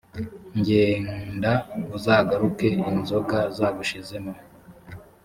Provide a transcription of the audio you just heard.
n genda uzagaruke inzoga zagushizemo